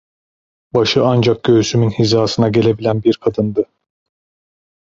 Başı ancak göğsümün hizasına gelebilen bir kadındı.